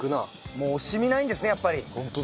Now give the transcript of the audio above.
もう惜しみないんですねやっぱり。